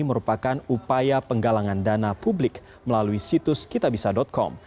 merupakan upaya penggalangan dana publik melalui situs kitabisa com